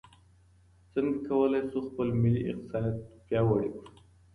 څنګه کولای سو خپل ملي اقتصاد پیاوړی کړو؟